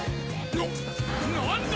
な何だ？